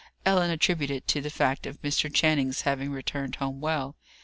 Ellen attributed it to the fact of Mr. Channing's having returned home well.